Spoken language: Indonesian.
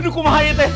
aduh kumahit ya